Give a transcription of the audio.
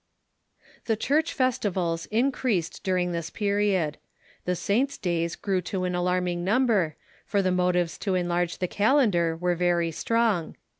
The Church festivals increased during this period. The saints' days grew to an alarming number, for the motives to enlarge the calendar were very strong.